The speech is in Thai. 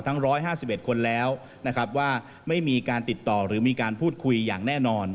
ทั้ง๑๕๑คนแล้วนะครับว่าไม่มีการติดต่อหรือมีการพูดคุยอย่างแน่นอน